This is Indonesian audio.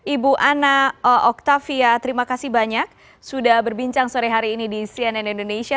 ibu ana oktavia terima kasih banyak sudah berbincang sore hari ini di cnn indonesia